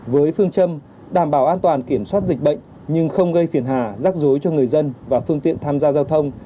với phương châm đảm bảo an toàn kiểm soát dịch bệnh nhưng không gây phiền hà rắc rối cho người dân và phương tiện tham gia giao thông